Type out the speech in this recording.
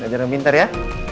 belajar yang pintar ya